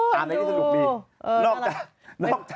แป๊บ